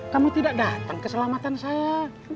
kamu tidak datang keselamatan saya